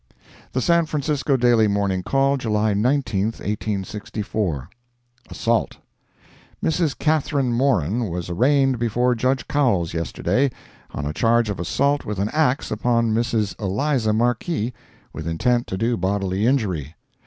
The San Francisco Daily Morning Call, July 19, 1864 ASSAULT Mrs. Catherine Moran was arraigned before Judge Cowles yesterday, on a charge of assault with an axe upon Mrs. Eliza Markee, with intent to do bodily injury.